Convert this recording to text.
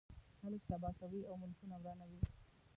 خلک تباه کوي او ملکونه ورانوي.